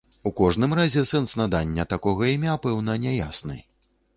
У кожным разе, сэнс надання такога імя пэўна не ясны.